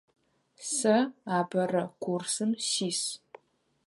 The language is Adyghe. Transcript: Сэ апэрэ курсым сис.